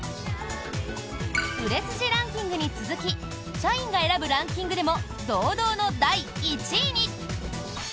売れ筋ランキングに続き社員が選ぶランキングでも堂々の第１位に！